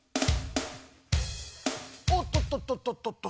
おっととととととと。